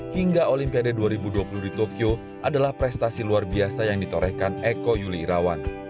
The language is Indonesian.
hingga olimpiade dua ribu dua puluh di tokyo adalah prestasi luar biasa yang ditorehkan eko yuli irawan